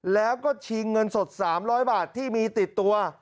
แล้วก็ชิงเงินสด๓๐๐บาทที่มีติดตัว